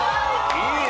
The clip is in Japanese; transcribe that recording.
いいね！